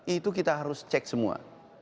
itu kita harus cek semua